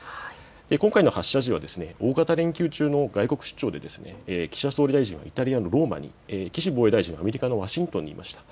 今回の発射時は大型連休中の外国出張で岸田総理大臣はイタリアのローマに岸防衛大臣はアメリカのワシントンにいました。